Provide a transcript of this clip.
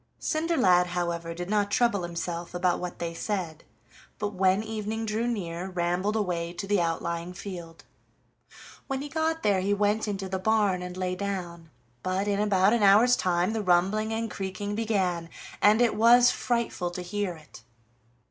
Cinderlad, however, did not trouble himself about what they said, but when evening drew near rambled away to the outlying field. When he got there he went into the barn and lay down, but in about an hour's time the rumbling and creaking began, and it was frightful to hear it.